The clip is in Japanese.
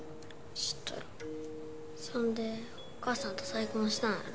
知っとるそんでお母さんと再婚したんやろ？